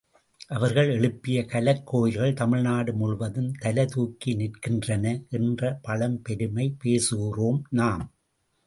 அவர்கள் எழுப்பிய கலைக்கோயில்கள் தமிழ்நாடு முழுவதும் தலைதூக்கி நிற்கின்றன என்று பழம் பெருமை பேசுகிறோம் நாம்.